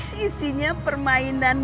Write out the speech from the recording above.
sisinya permainan manisnya